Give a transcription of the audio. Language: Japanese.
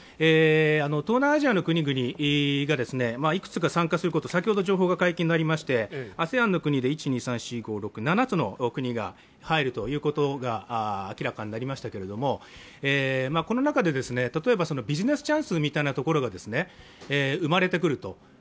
東南アジアの国々が参加することが先ほど情報が解禁になりまして、ＡＳＥＡＮの国で７つの国が入ることが明らかになりましたが、この中で、ビジネスチャンスみたいなところが生まれてくると。